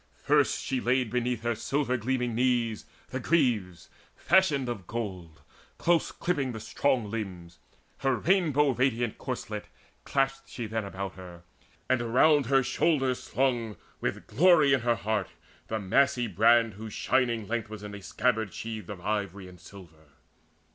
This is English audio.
First she laid Beneath her silver gleaming knees the greaves Fashioned of gold, close clipping the strong limbs. Her rainbow radiant corslet clasped she then About her, and around her shoulders slung, With glory in her heart, the massy brand Whose shining length was in a scabbard sheathed Of ivory and silver.